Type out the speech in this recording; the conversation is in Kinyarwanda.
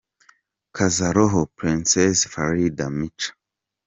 Kaza Roho – Princess Farida & Micha.